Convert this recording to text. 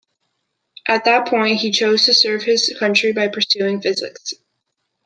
At that point he chose to serve his country by pursuing physics.